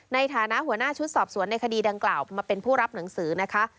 ในฐานะหัวหน้าชุดสอบสวนในคดีดังกล่าวมาเป็นผู้รับหนังสือนะคะ